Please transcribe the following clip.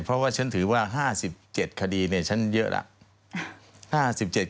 เพราะว่าฉันถือว่า๕๗คดีฉันเยอะแล้ว